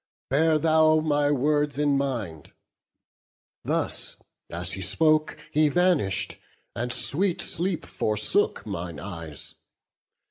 Bear thou my words in mind.' Thus as he spoke He vanish'd; and sweet sleep forsook mine eyes.